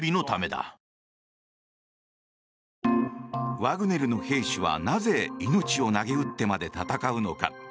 ワグネルの兵士は、なぜ命をなげうってまで戦うのか。